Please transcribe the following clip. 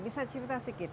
bisa cerita sedikit